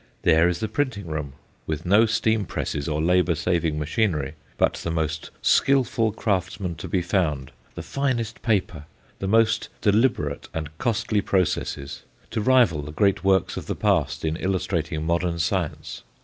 There is the printing room, with no steam presses or labour saving machinery, but the most skilful craftsmen to be found, the finest paper, the most deliberate and costly processes, to rival the great works of the past in illustrating modern science.